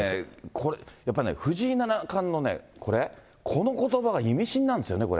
これ、やっぱり藤井七冠のこれ、このことばが意味深なんです